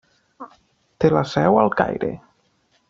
Té la seu al Caire.